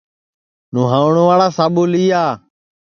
نوہانواڑا ساٻو لیا